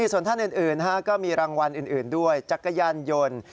ส่วนท่านอื่นก็มีรางวัลอื่นด้วยจักรยานยนต์